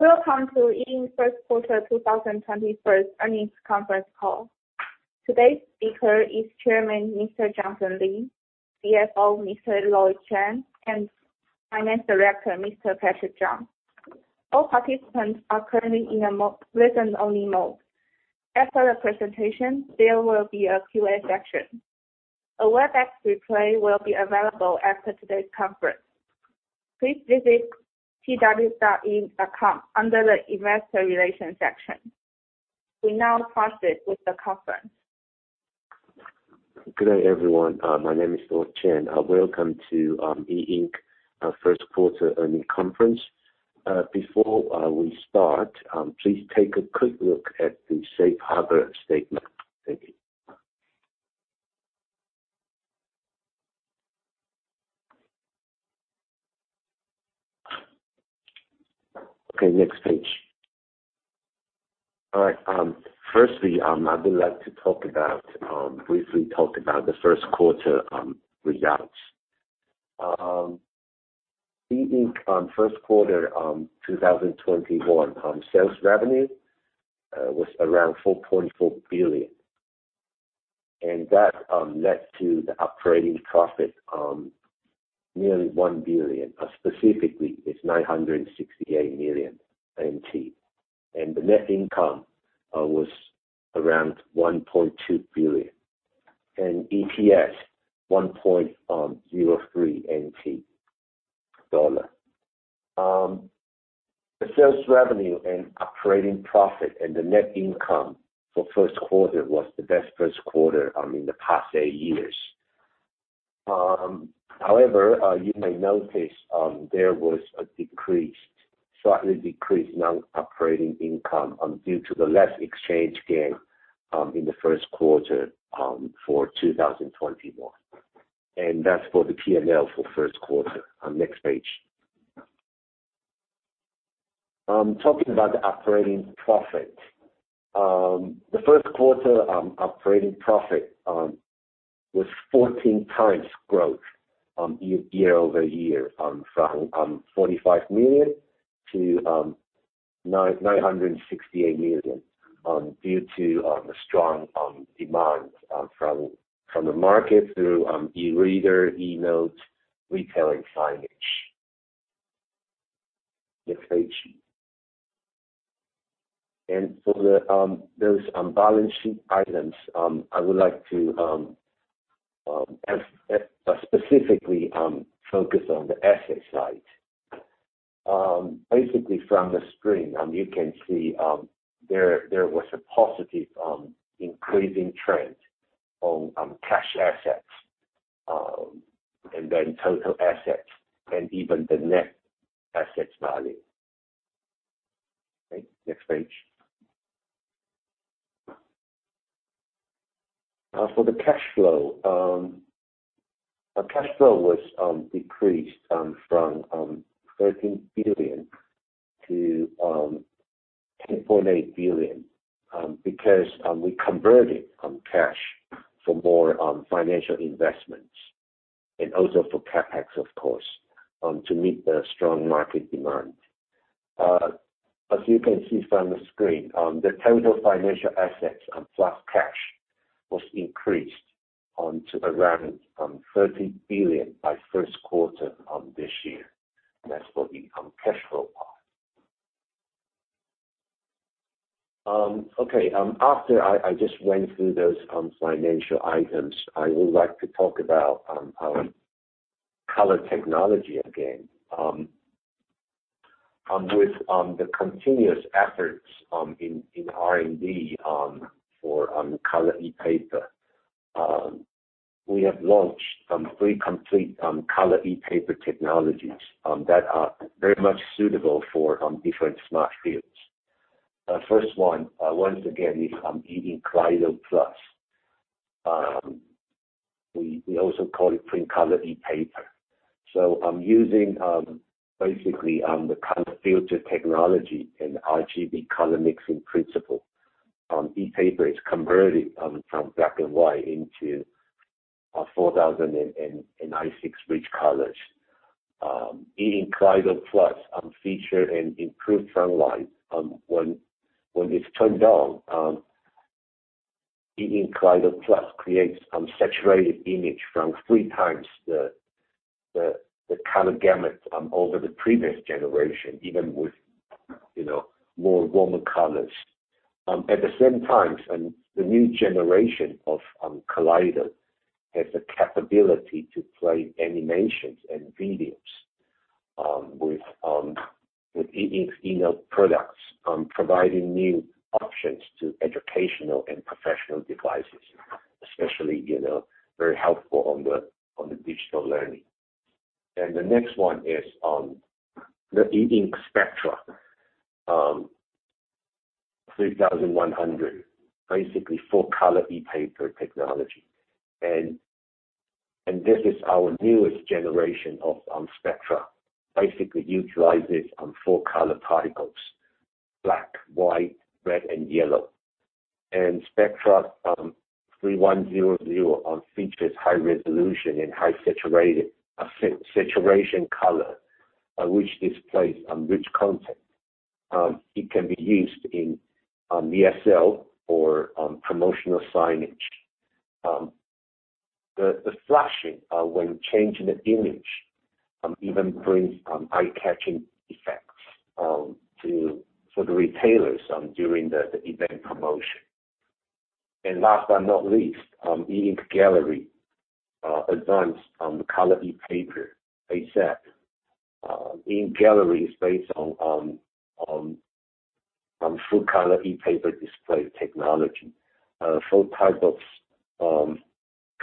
Welcome to E Ink first quarter 2021 earnings conference call. Today's speaker is Chairman, Mr. Johnson Lee, CFO, Mr. Lloyd Chen, and Finance Director, Mr. Patrick Zhang. All participants are currently in a listen-only mode. After the presentation, there will be a Q&A session. A WebEx replay will be available after today's conference. Please visit tw.eink.com under the investor relations section. We now proceed with the conference. Good everyone. My name is Lloyd Chen. Welcome to E Ink first quarter earnings conference. Before we start, please take a quick look at the safe harbor statement. Thank you. Next page. All right. Firstly, I would like to briefly talk about the first quarter results. E Ink first quarter 2021 sales revenue was around NTD 4.4 billion, and that led to the operating profit nearly NTD 1 billion. Specifically, it's NTD 968 million. The net income was around NTD 1.2 billion, and EPS NTD 1.03. The sales revenue and operating profit and the net income for first quarter was the best first quarter in the past eight years. However, you may notice there was a slightly decreased amount of operating income due to the less exchange gain in the first quarter for 2021. That's for the P&L for first quarter. Next page. Talking about the operating profit. The first quarter operating profit was 14 times growth year-over-year from NTD 45 million to NTD 968 million due to a strong demand from the market through eReader, eNote, retail, and signage. Next page. For those balance sheet items, I would like to specifically focus on the asset side. Basically from the screen, you can see there was a positive increasing trend on cash assets, and then total assets and even the net asset value. Next page. Now for the cash flow. Our cash flow was decreased from NTD 13 billion to NTD 10.8 billion because we converted cash for more financial investments and also for CapEx, of course, to meet the strong market demand. As you can see from the screen, the total financial assets plus cash was increased to around NTD 30 billion by first quarter this year. That's for the cash flow part. Okay. After I just went through those financial items, I would like to talk about color technology again. With the continuous efforts in R&D for color ePaper, we have launched three complete color ePaper technologies that are very much suitable for different smart fields. The first one, once again, is E Ink Kaleido Plus. We also call it Print Color ePaper. I'm using basically the color filter technology and RGB color mixing principle. ePaper is converted from black and white into 4,096 rich colors. E Ink Kaleido Plus feature and improved sunlight. When it's turned on, E Ink Kaleido Plus creates saturated image from 3x the color gamut over the previous generation, even with more warmer colors. At the same time, the new generation of Kaleido has the capability to play animations and videos with E Ink eNote products, providing new options to educational and professional devices, especially very helpful on the digital learning. The next one is the E Ink Spectra 3100, basically full color ePaper technology. This is our newest generation of Spectra, basically utilizes four color particles, black, white, red, and yellow. Spectra 3100 features high resolution and high saturation color, which displays rich content. It can be used in ESL or promotional signage. The flashing when changing the image even brings eye-catching effects for the retailers during the event promotion. Last but not least, E Ink Gallery, Advanced Color ePaper, ACeP. E Ink Gallery is based on full-color ePaper display technology. Four types of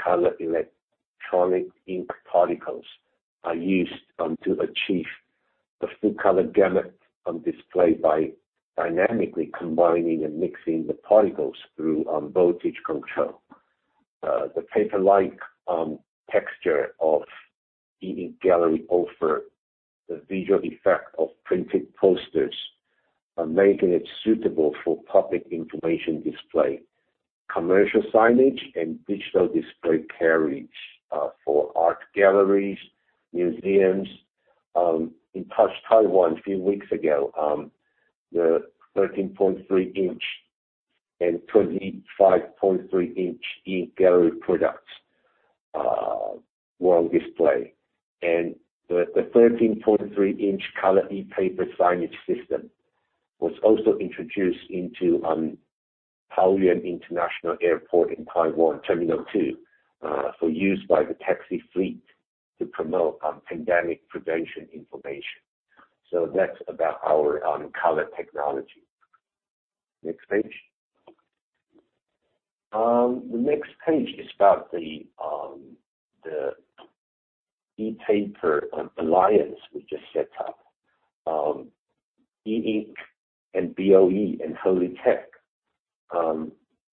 color electronic ink particles are used to achieve the full color gamut on display by dynamically combining and mixing the particles through voltage control. The paper-like texture of E Ink Gallery offer the visual effect of printed posters, making it suitable for public information display, commercial signage, and digital display carriage for art galleries, museums. In Touch Taiwan a few weeks ago, the 13.3-inch and 25.3-inch E Ink Gallery products were on display. The 13.3-inch color ePaper signage system was also introduced into Taoyuan International Airport in Taiwan, Terminal 2, for use by the taxi fleet to promote pandemic prevention information. That's about our color technology. Next page. The next page is about the ePaper Industry Alliance we just set up. E Ink and BOE and Holitech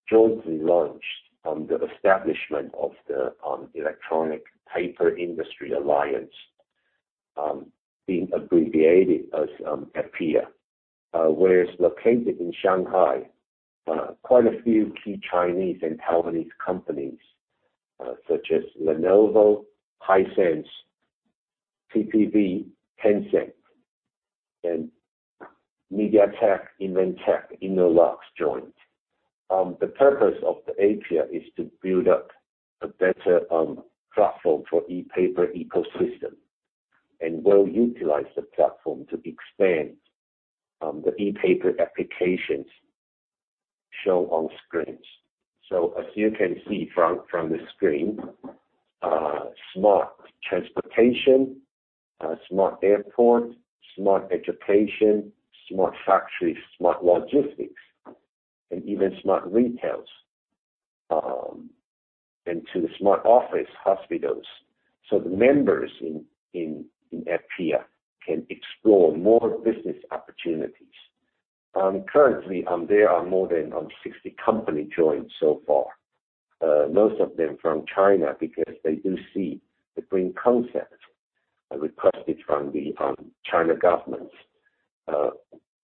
jointly launched the establishment of the Electronic Paper Industry Alliance, being abbreviated as EPIA, where it's located in Shanghai. Quite a few key Chinese and Taiwanese companies, such as Lenovo, Hisense, TPV, Tencent, and MediaTek, Inventec, Innolux joined. The purpose of the EPIA is to build up a better platform for ePaper ecosystem and well utilize the platform to expand the ePaper applications shown on screens. As you can see from the screen, smart transportation, smart airport, smart education, smart factory, smart logistics, and even smart retails, and to the smart office, hospitals. The members in EPIA can explore more business opportunities. Currently, there are more than 60 companies joined so far. Most of them from China because they do see the green concept requested from the China government,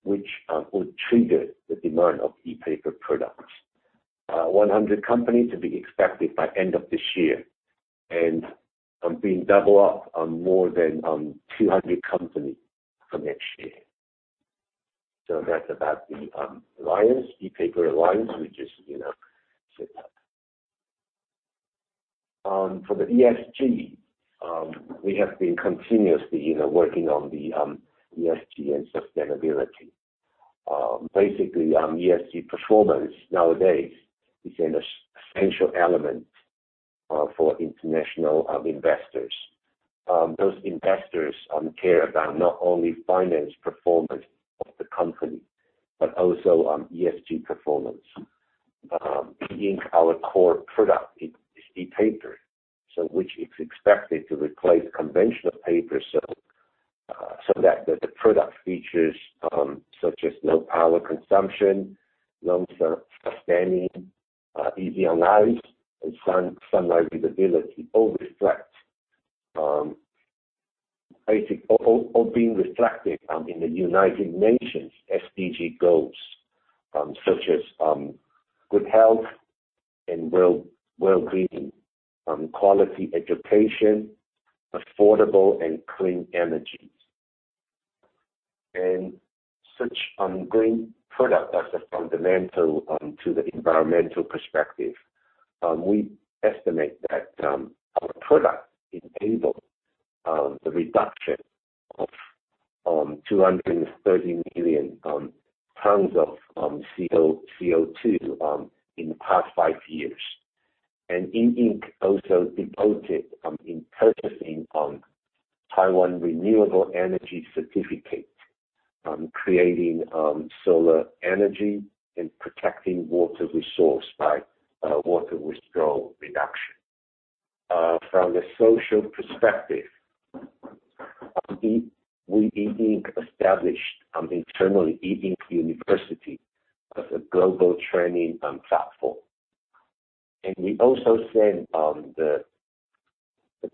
which would trigger the demand of ePaper products. 100 companies to be expected by end of this year, being double up on more than 200 companies for next year. That's about the alliance, ePaper Industry Alliance, we just set up. For the ESG, we have been continuously working on the ESG and sustainability. Basically, ESG performance nowadays is an essential element for international investors. Those investors care about not only finance performance of the company, but also ESG performance. E Ink, our core product is ePaper, so which is expected to replace conventional paper so that the product features such as low power consumption, long standing, easy on eyes, and sunlight visibility, all being reflected in the United Nations SDG goals, such as good health and wellbeing, quality education, affordable and clean energy. Such green product as a fundamental to the environmental perspective, we estimate that our product enabled the reduction of 230 million tons of CO2 in the past five years. E Ink also devoted in purchasing Taiwan Renewable Energy Certificate, creating solar energy, and protecting water resource by water withdrawal reduction. From the social perspective, we E Ink established an internal E Ink University as a global training platform. We also send the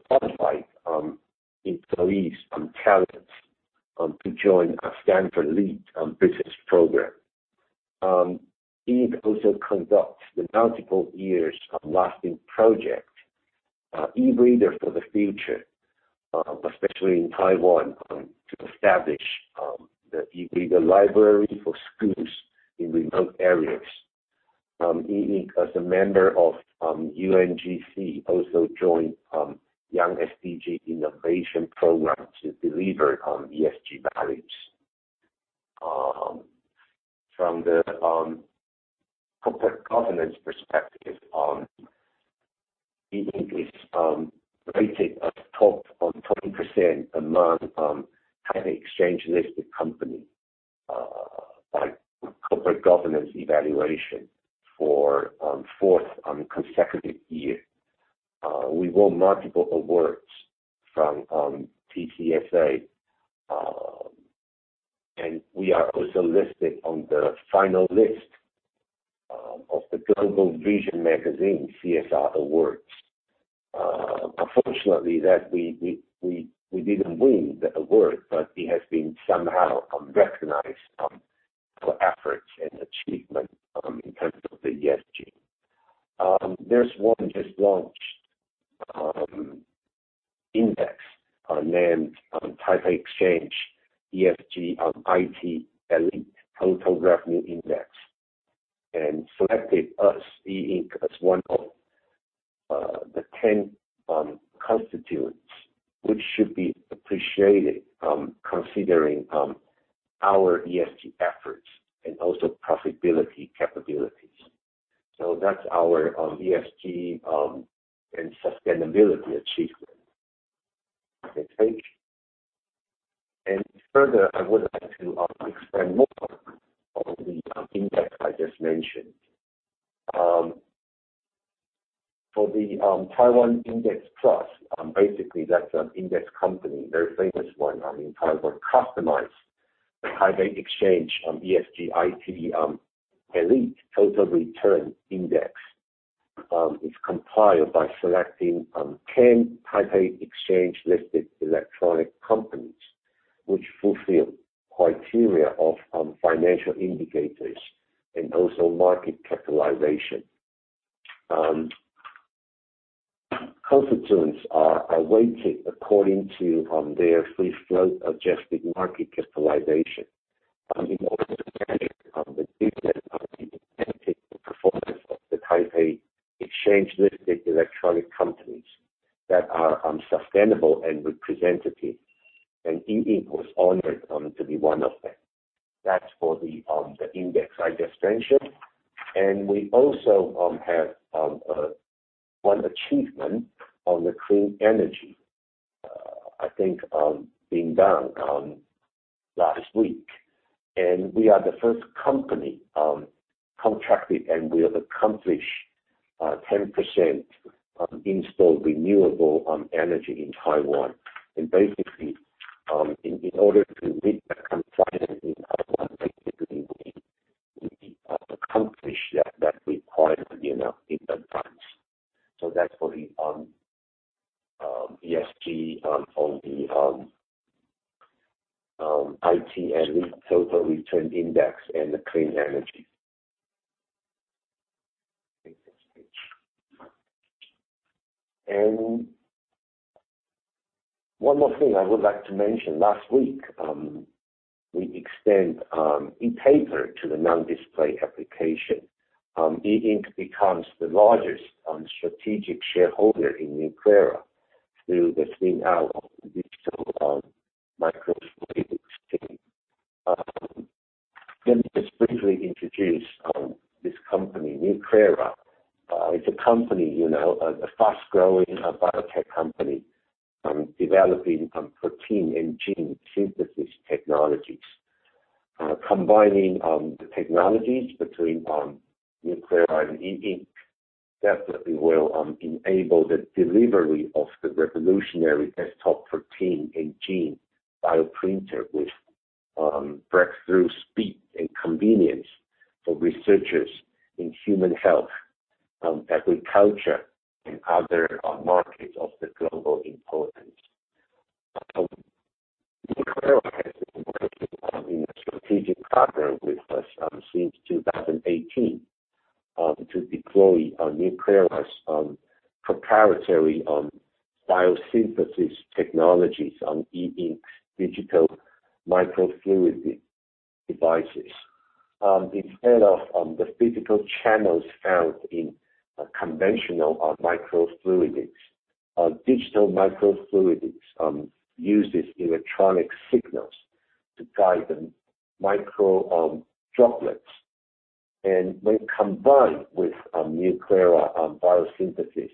qualified employees and talents to join a Stanford LEAD business program. E Ink also conducts the multiple years lasting project, eRead for the Future, especially in Taiwan, to establish the eReader library for schools in remote areas. E Ink, as a member of UNGC, also joined Young SDG Innovators Programme to deliver on ESG values. From the corporate governance perspective, E Ink is rated as top 20% among 10 exchange-listed company by corporate governance evaluation for fourth consecutive year. We won multiple awards from TCSA, we are also listed on the final list of the Global Views Monthly CSR Awards. Unfortunately, we didn't win the award. We have been somehow recognized for efforts and achievement in terms of the ESG. There's one we just launched, index named TPEx ESG IT Elite Total Return Index, and selected us, E Ink, as one of the 10 constituents, which should be appreciated considering our ESG efforts and also profitability capabilities. That's our ESG and sustainability achievement. Next page. Further, I would like to explain more of the index I just mentioned. For the Taiwan Index Plus, basically that's an index company, very famous one in Taiwan, customized the TPEx ESG IT Elite Total Return Index. It's compiled by selecting 10 Taipei Exchange listed electronic companies, which fulfill criteria of financial indicators and also market capitalization. Constituents are weighted according to their free-float adjusted market capitalization. It also represents the business and technical performance of the Taipei Exchange listed electronic companies that are sustainable and representative. E Ink was honored to be one of them. That's for the index I just mentioned. We also have one achievement on the clean energy. I think being done last week. We are the first company contracted, and we have accomplished 10% of installed renewable energy in Taiwan. Basically, in order to meet that contracted, we have to accomplish that required renewable in advance. That's for the ESG on the IT Elite Total Return Index and the clean energy. Next page. One more thing I would like to mention. Last week, we extend ePaper to the non-display application. E Ink becomes the largest strategic shareholder in Nuclera through the [clean hour] digital microfluidics team. Let me just briefly introduce this company, Nuclera. It's a company, a fast-growing biotech company, developing protein and gene synthesis technologies. Combining the technologies between Nuclera and E Ink definitely will enable the delivery of the revolutionary desktop protein and gene bioprinter with breakthrough speed and convenience for researchers in human health, agriculture, and other markets of the global importance. Nuclera has been working in a strategic partner with us since 2018 to deploy Nuclera's proprietary biosynthesis technologies on E Ink digital microfluidic devices. Instead of the physical channels found in conventional microfluidics, digital microfluidics uses electronic signals to guide the micro droplets. When combined with Nuclera biosynthesis,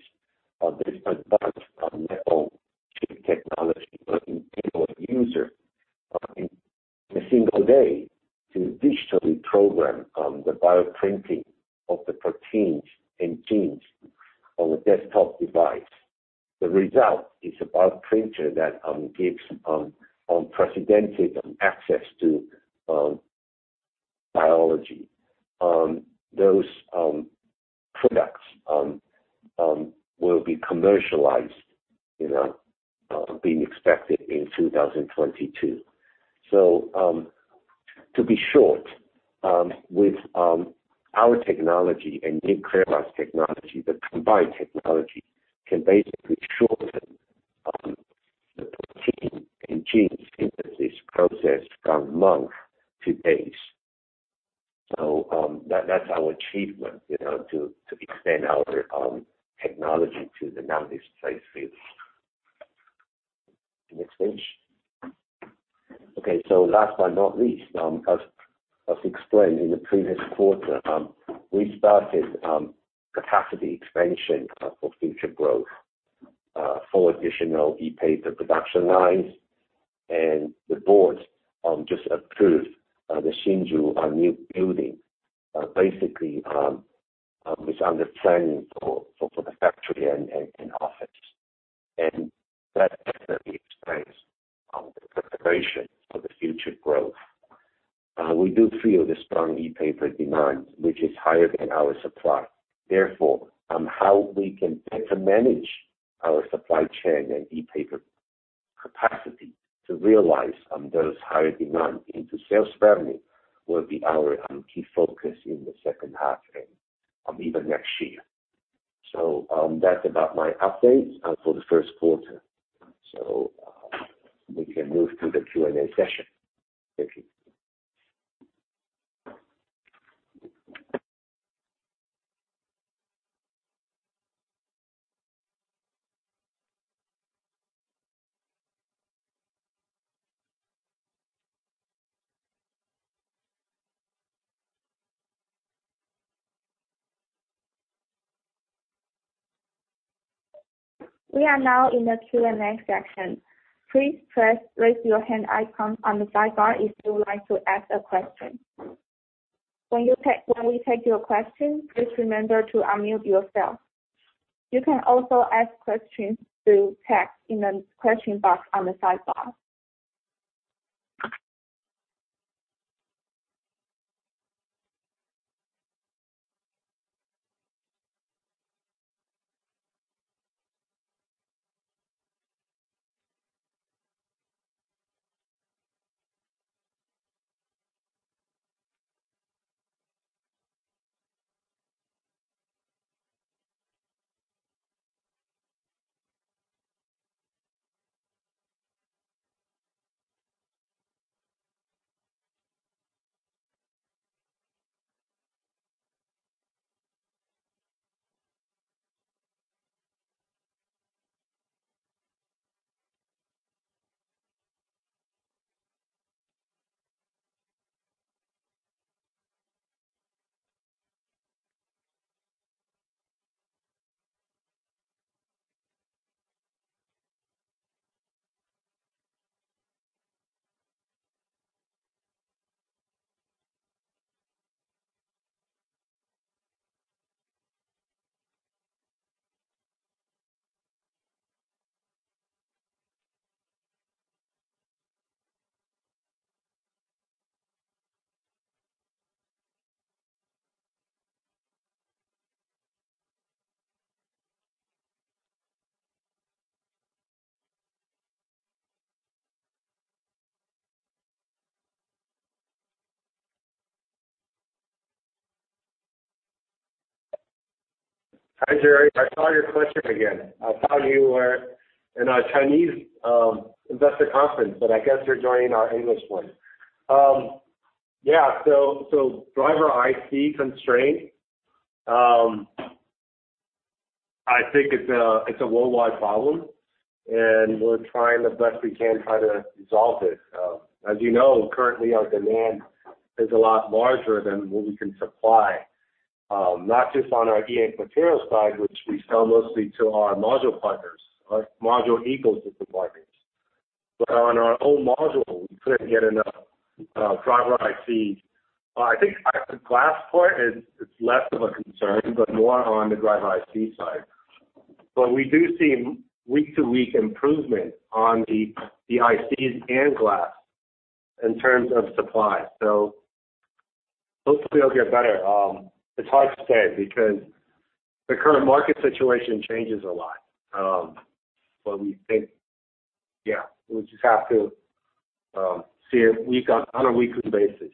this advanced microchip technology will enable the user in a single day to digitally program the bioprinting of the proteins and genes on a desktop device. The result is a bioprinter that gives unprecedented access to biology. Those products will be commercialized, being expected in 2022. To be short, with our technology and Nuclera's technology, the combined technology can basically shorten the protein and genes synthesis process from months to days. That's our achievement, to extend our technology to the non-display field. Next page. Last but not least, as explained in the previous quarter, we started capacity expansion for future growth, four additional ePaper production lines, and the board just approved the Hsinchu new building. It's under planning for the factory and office. That's the expansion, the preparation for the future growth. We do feel the strong ePaper demand, which is higher than our supply. Therefore, how we can better manage our supply chain and ePaper capacity to realize those higher demand into sales revenue will be our key focus in the second half and even next year. That's about my update for the first quarter. We can move to the Q&A session. Thank you. We are now in the Q&A section. Please press raise your hand icon on the sidebar if you would like to ask a question. When we take your question, please remember to unmute yourself. You can also ask questions through text in the question box on the sidebar. Hi, Jerry. I saw your question again. I thought you were in our Chinese investor conference. I guess you're joining our English one. Driver IC constraint, I think it's a worldwide problem. We're trying the best we can try to resolve it. As you know, currently our demand is a lot larger than what we can supply. Not just on our E Ink material side, which we sell mostly to our module partners, our module ecosystem partners. On our own module, we couldn't get enough driver ICs. I think the glass part is less of a concern. More on the driver IC side. We do see week-to-week improvement on the ICs and glass in terms of supply. Hopefully it'll get better. It's hard to say because the current market situation changes a lot. We think, yeah, we'll just have to see it on a weekly basis.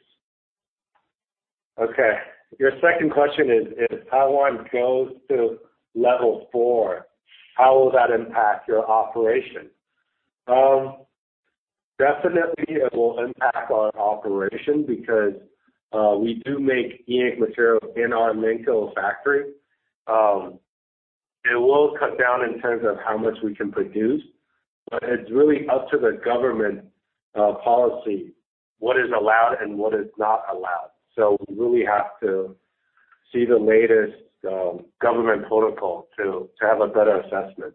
Okay, your second question is, Taiwan goes to level 4. How will that impact your operation? Definitely it will impact our operation because we do make E Ink material in our Nekoosa factory. It will cut down in terms of how much we can produce, but it's really up to the government policy, what is allowed and what is not allowed. We really have to see the latest government protocol to have a better assessment.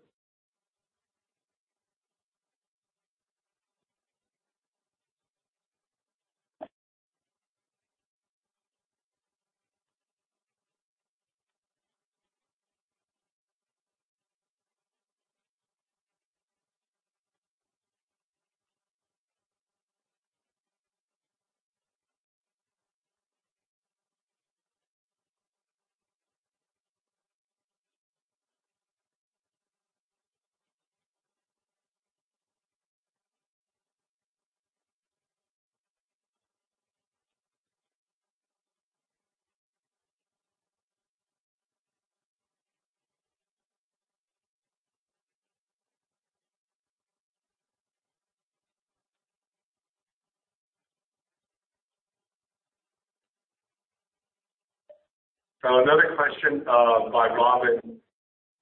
Another question by Robin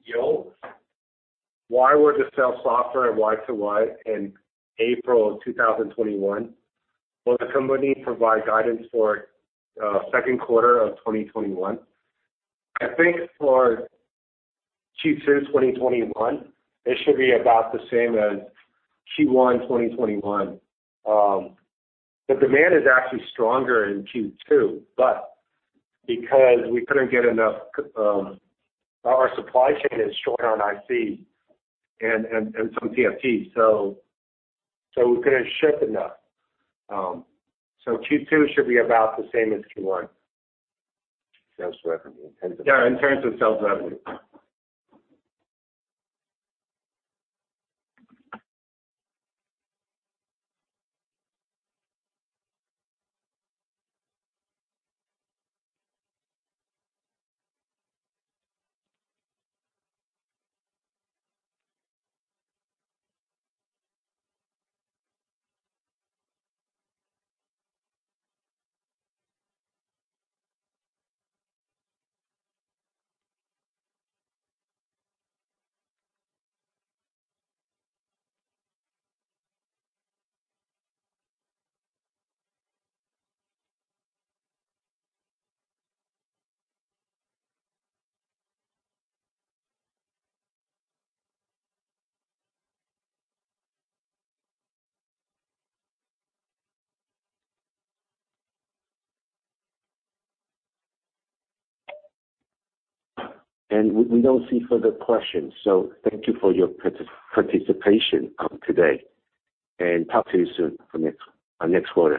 Gill. Why were the sales softer at year-over-year in April of 2021? Will the company provide guidance for second quarter of 2021? I think for Q2 2021, it should be about the same as Q1 2021. The demand is actually stronger in Q2, but because our supply chain is short on IC and some TFT, so we couldn't ship enough. Q2 should be about the same as Q1. Sales revenue. Yeah, in terms of sales revenue. We don't see further questions, so thank you for your participation today, and talk to you soon for next one.